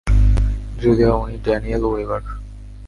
Julia, উনি Daniel weber.